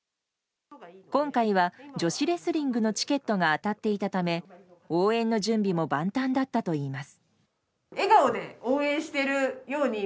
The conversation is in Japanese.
今回は女子レスリングのチケットが当たっていたため、応援の準備も万端だったといいます。